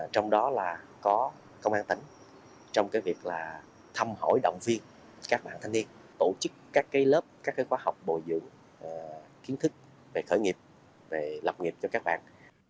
trong đó là có công an tỉnh trong việc thăm hỏi động viên các bạn thanh niên tổ chức các lớp các khóa học bồi dựng kiến thức về khởi nghiệp về lập nghiệp cho các bạn